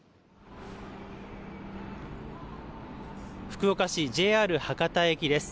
福岡市、ＪＲ博多駅です。